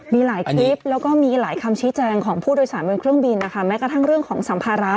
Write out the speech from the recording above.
มีหลายคลิปแล้วก็มีหลายคำชี้แจงของผู้โดยสารบนเครื่องบินนะคะแม้กระทั่งเรื่องของสัมภาระ